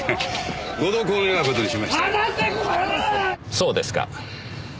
そうですか。